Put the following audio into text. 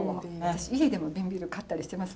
私家でも瓶ビール買ったりしてます